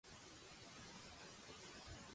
Entrar en calor.